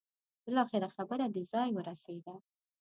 بالاخره خبره دې ځای ورسېده.